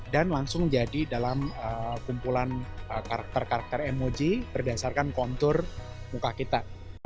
dan langsung jadi dalam kumpulan karakter karakter emoji berdasarkan kontur muka kita